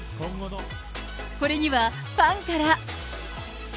これにはファンから。